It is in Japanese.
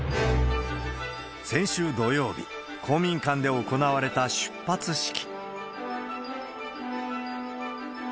先週土曜日、公民館で行われた出発式。